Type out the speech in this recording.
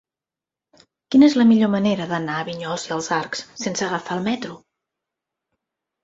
Quina és la millor manera d'anar a Vinyols i els Arcs sense agafar el metro?